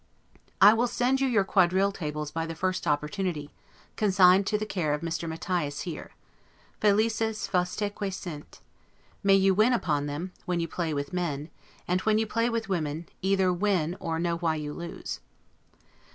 I will send you your quadrille tables by the first opportunity, consigned to the care of Mr. Mathias here. 'Felices faustaeque sint! May you win upon them, when you play with men; and when you play with women, either win or know why you lose.